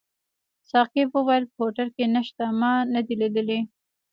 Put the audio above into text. ساقي وویل: په هوټل کي نشته، ما نه دي لیدلي.